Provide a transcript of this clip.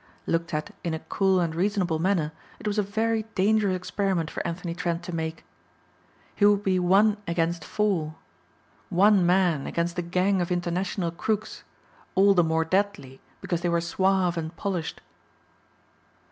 Looked at in a cool and reasonable manner it was a very dangerous experiment for Anthony Trent to make. He would be one against four. One man against a gang of international crooks, all the more deadly because they were suave and polished.